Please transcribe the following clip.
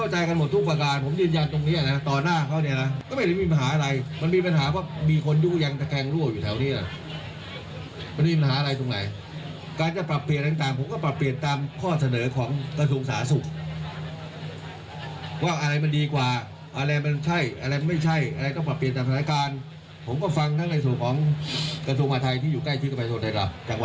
หน้านี้ก็ทางสททั้งหมดก็เข้าข้อมูล